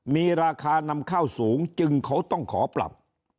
มีราคานำเข้าสูงจึงเขาต้องขอปรับ